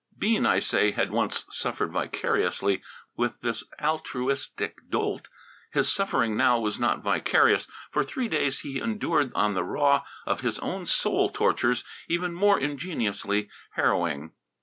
Bean, I say, had once suffered vicariously with this altruistic dolt. His suffering now was not vicarious. For three days he endured on the raw of his own soul tortures even more ingeniously harrowing.